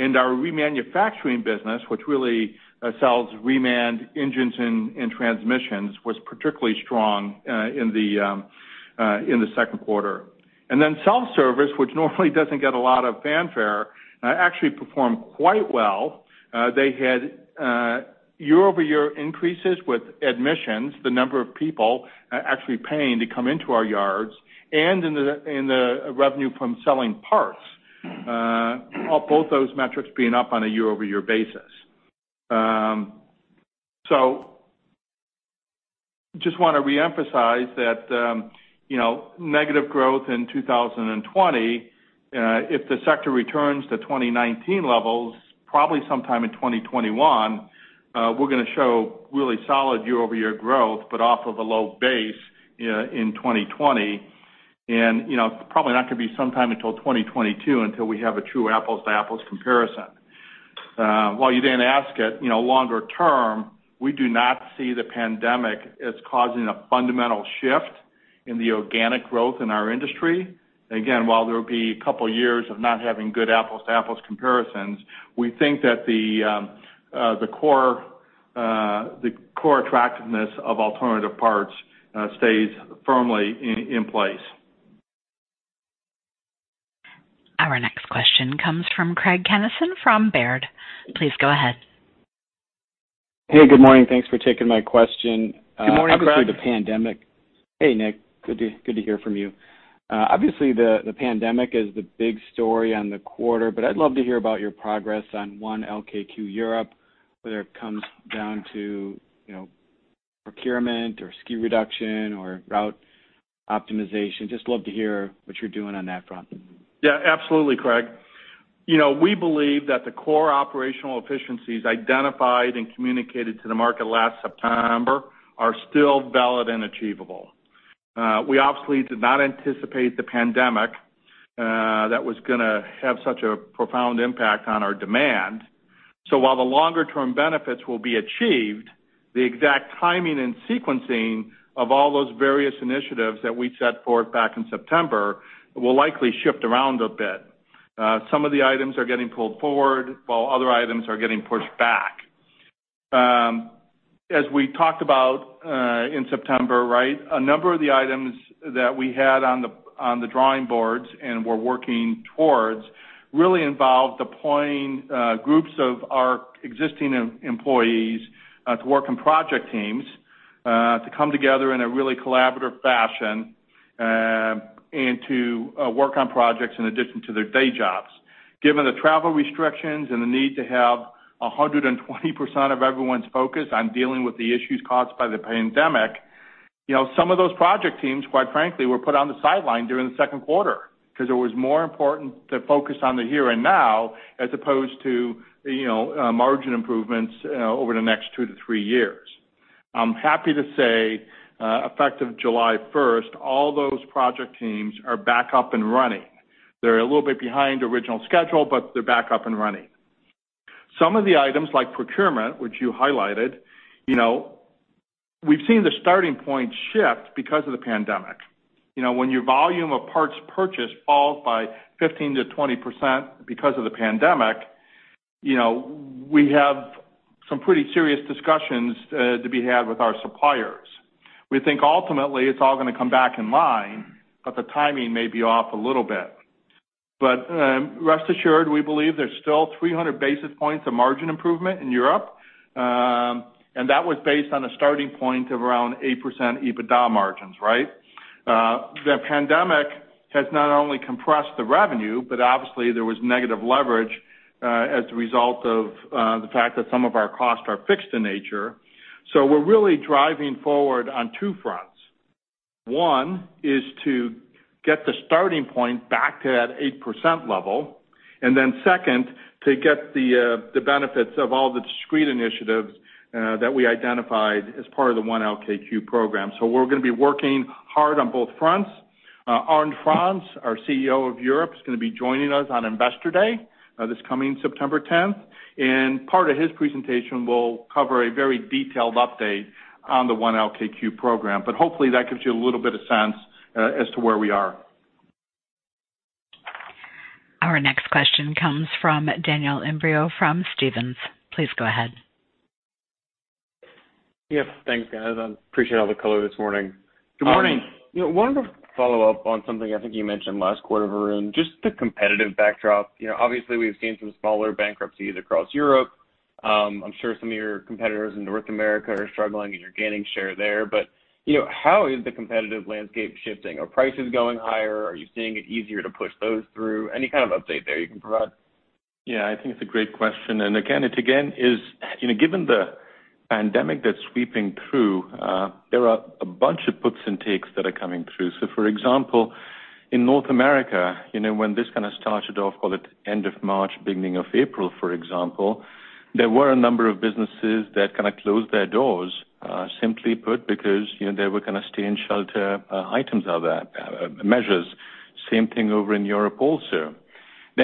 Our remanufacturing business, which really sells reman engines and transmissions, was particularly strong in the second quarter. Self-service, which normally doesn't get a lot of fanfare actually performed quite well. They had year-over-year increases with admissions, the number of people actually paying to come into our yards, and in the revenue from selling parts. Both those metrics being up on a year-over-year basis. Just want to re-emphasize that negative growth in 2020, if the sector returns to 2019 levels, probably sometime in 2021, we're going to show really solid year-over-year growth, but off of a low base in 2020. Probably not going to be sometime until 2022 until we have a true apples-to-apples comparison. While you didn't ask it, longer term, we do not see the pandemic as causing a fundamental shift in the organic growth in our industry. Again, while there will be a couple of years of not having good apples-to-apples comparisons, we think that the core attractiveness of alternative parts stays firmly in place. Our next question comes from Craig Kennison from Baird. Please go ahead. Hey, good morning. Thanks for taking my question. Good morning, Craig. Hey, Nick. Good to hear from you. Obviously, the pandemic is the big story on the quarter, but I'd love to hear about your progress on 1 LKQ Europe, whether it comes down to procurement or SKU reduction or route optimization. Just love to hear what you're doing on that front. Yeah, absolutely, Craig. We believe that the core operational efficiencies identified and communicated to the market last September are still valid and achievable. We obviously did not anticipate the pandemic that was going to have such a profound impact on our demand. So while the longer-term benefits will be achieved, the exact timing and sequencing of all those various initiatives that we set forth back in September will likely shift around a bit. Some of the items are getting pulled forward while other items are getting pushed back. As we talked about in September, a number of the items that we had on the drawing boards and were working towards really involved deploying groups of our existing employees to work in project teams to come together in a really collaborative fashion and to work on projects in addition to their day jobs. Given the travel restrictions and the need to have 120% of everyone's focus on dealing with the issues caused by the pandemic, some of those project teams, quite frankly, were put on the sideline during the second quarter because it was more important to focus on the here and now as opposed to margin improvements over the next two to three years. I'm happy to say, effective July 1st, all those project teams are back up and running. They're a little bit behind original schedule, but they're back up and running. Some of the items like procurement, which you highlighted, we've seen the starting point shift because of the pandemic. When your volume of parts purchased falls by 15%-20% because of the pandemic, we have some pretty serious discussions to be had with our suppliers. We think ultimately it's all going to come back in line, but the timing may be off a little bit. Rest assured, we believe there's still 300 basis points of margin improvement in Europe. That was based on a starting point of around 8% EBITDA margins, right? The pandemic has not only compressed the revenue, but obviously there was negative leverage as a result of the fact that some of our costs are fixed in nature. We're really driving forward on two fronts. One is to get the starting point back to that 8% level, second, to get the benefits of all the discrete initiatives that we identified as part of the 1 LKQ program. We're going to be working hard on both fronts. Arnd Franz, our CEO of Europe, is going to be joining us on Investor Day this coming September 10th. Part of his presentation will cover a very detailed update on the 1 LKQ program. Hopefully that gives you a little bit of sense as to where we are. Our next question comes from Daniel Imbro from Stephens. Please go ahead. Yes. Thanks, guys. I appreciate all the color this morning. Good morning. Wanted to follow up on something I think you mentioned last quarter, Varun, just the competitive backdrop. Obviously we've seen some smaller bankruptcies across Europe. I'm sure some of your competitors in North America are struggling as you're gaining share there. How is the competitive landscape shifting? Are prices going higher? Are you seeing it easier to push those through? Any kind of update there you can provide? Yeah, I think it's a great question. Again, given the pandemic that's sweeping through, there are a bunch of puts and takes that are coming through. For example, in North America, when this started off, call it end of March, beginning of April, for example, there were a number of businesses that closed their doors, simply put, because they were stay in shelter measures. Same thing over in Europe also.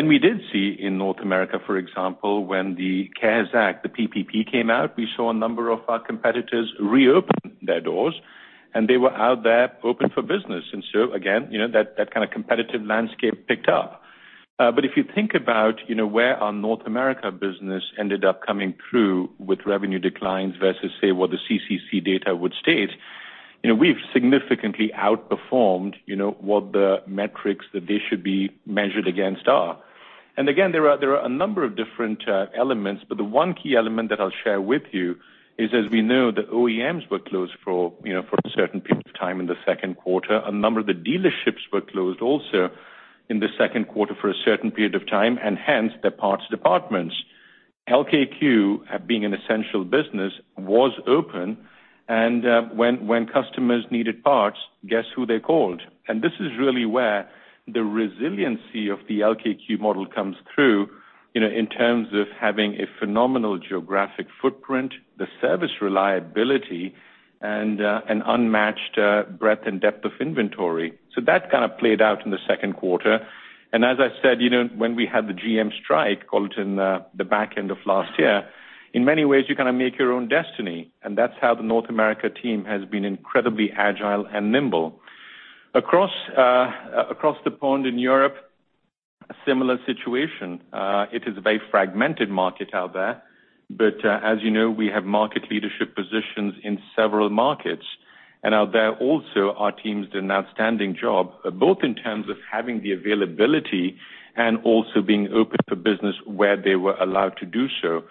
We did see in North America, for example, when the CARES Act, the PPP came out, we saw a number of our competitors reopen their doors, and they were out there open for business. Again, that kind of competitive landscape picked up. If you think about where our North America business ended up coming through with revenue declines versus, say, what the CCC data would state, we've significantly outperformed what the metrics that they should be measured against are. Again, there are a number of different elements, but the one key element that I'll share with you is, as we know, the OEMs were closed for a certain period of time in the second quarter. A number of the dealerships were closed also in the second quarter for a certain period of time, and hence their parts departments. LKQ, being an essential business, was open, and when customers needed parts, guess who they called? This is really where the resiliency of the LKQ model comes through in terms of having a phenomenal geographic footprint, the service reliability, and an unmatched breadth and depth of inventory. That kind of played out in the second quarter. As I said, when we had the GM strike, call it, the back end of last year, in many ways, you kind of make your own destiny. That's how the North America team has been incredibly agile and nimble. Across the pond in Europe, a similar situation. It is a very fragmented market out there. As you know, we have market leadership positions in several markets. Out there also, our teams did an outstanding job, both in terms of having the availability and also being open for business where they were allowed to do so.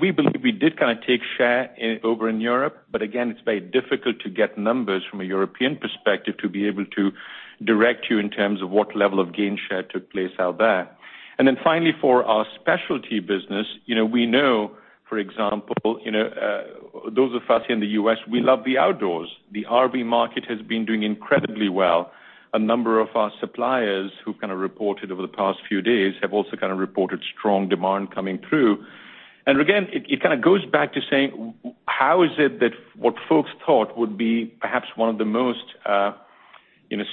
We believe we did kind of take share over in Europe. Again, it's very difficult to get numbers from a European perspective to be able to direct you in terms of what level of gain share took place out there. Finally, for our specialty business, we know, for example, those of us in the U.S., we love the outdoors. The RV market has been doing incredibly well. A number of our suppliers who've kind of reported over the past few days have also kind of reported strong demand coming through. Again, it kind of goes back to saying, how is it that what folks thought would be perhaps one of the most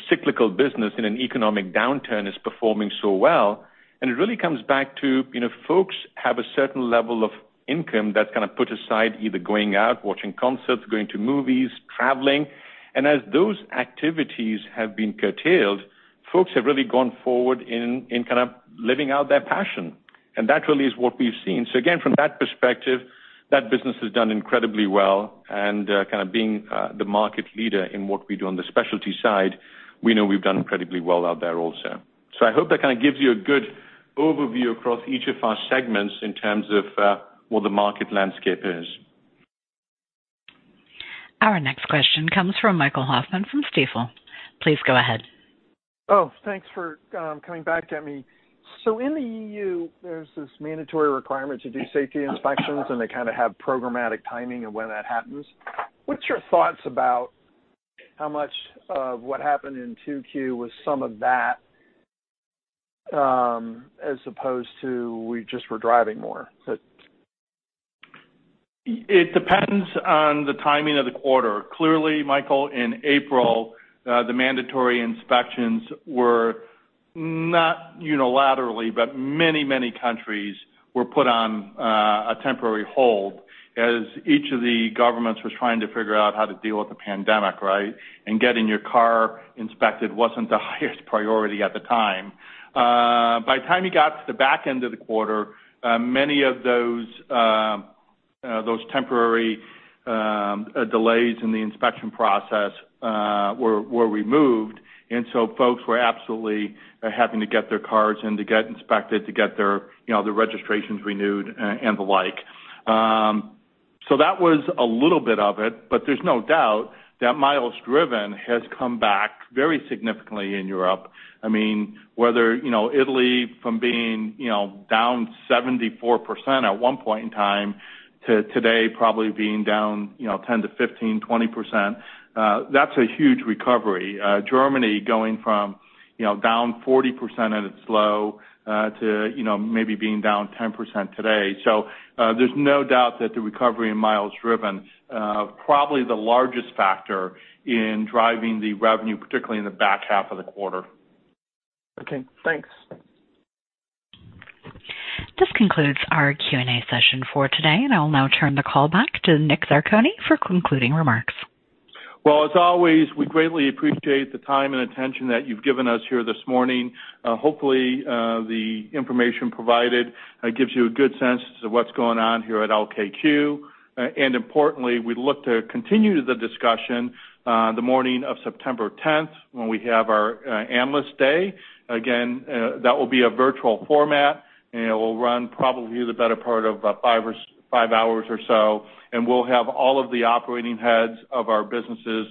cyclical business in an economic downturn is performing so well? It really comes back to folks have a certain level of income that's kind of put aside either going out, watching concerts, going to movies, traveling. As those activities have been curtailed, folks have really gone forward in kind of living out their passion. That really is what we've seen. Again, from that perspective, that business has done incredibly well and kind of being the market leader in what we do on the specialty side, we know we've done incredibly well out there also. I hope that kind of gives you a good overview across each of our segments in terms of what the market landscape is. Our next question comes from Michael Hoffman from Stifel. Please go ahead. Oh, thanks for coming back at me. In the E.U., there's this mandatory requirement to do safety inspections, and they kind of have programmatic timing of when that happens. What's your thoughts about how much of what happened in 2Q was some of that, as opposed to we just were driving more? It depends on the timing of the quarter. Clearly, Michael, in April, the mandatory inspections were not unilaterally, but many, many countries were put on a temporary hold as each of the governments was trying to figure out how to deal with the pandemic, right? Getting your car inspected wasn't the highest priority at the time. By the time you got to the back end of the quarter, many of those temporary delays in the inspection process were removed. Folks were absolutely having to get their cars in to get inspected, to get their registrations renewed, and the like. That was a little bit of it, but there's no doubt that miles driven has come back very significantly in Europe. I mean, whether Italy from being down 74% at one point in time to today probably being down 10%-15%, 20%, that's a huge recovery. Germany going from down 40% at its low to maybe being down 10% today. There's no doubt that the recovery in miles driven, probably the largest factor in driving the revenue, particularly in the back half of the quarter. Okay, thanks. This concludes our Q&A session for today, and I'll now turn the call back to Nick Zarcone for concluding remarks. Well, as always, we greatly appreciate the time and attention that you've given us here this morning. Hopefully, the information provided gives you a good sense as to what's going on here at LKQ. Importantly, we look to continue the discussion the morning of September 10th when we have our Analyst Day. Again, that will be a virtual format, and it will run probably the better part of five hours or so. We'll have all of the operating heads of our businesses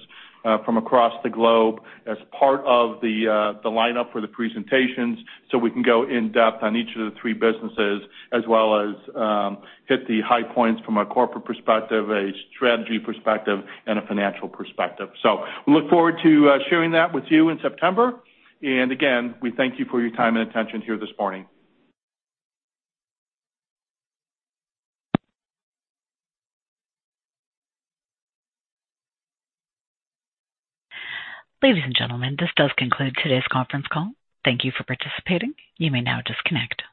from across the globe as part of the lineup for the presentations so we can go in depth on each of the three businesses as well as hit the high points from a corporate perspective, a strategy perspective, and a financial perspective. We look forward to sharing that with you in September. Again, we thank you for your time and attention here this morning. Ladies and gentlemen, this does conclude today's conference call. Thank you for participating. You may now disconnect.